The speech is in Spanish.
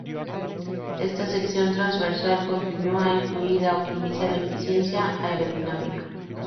Esta sección transversal continua y fluida optimiza la eficiencia aerodinámica.